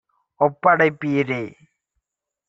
ஒப்படைப்பீரே!